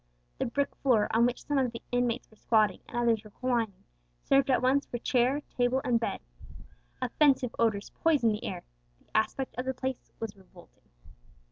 The brick floor, on which some of the inmates were squatting and others reclining, served at once for chair, table, and bed. Offensive odours poisoned the air; the aspect of the place was revolting.